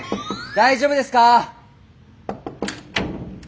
大丈夫ですか？